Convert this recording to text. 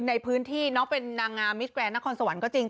ในพื้นที่น้องเป็นนางงามมิสแกรนนครสวรรค์ก็จริง